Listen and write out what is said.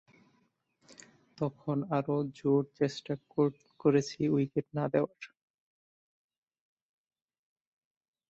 তখন আরও জোর চেষ্টা করেছি উইকেট না দেওয়ার।